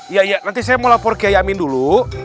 iya iya nanti saya mau lapor ke yamin dulu